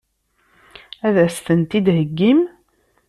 Ad as-tent-id-theggim?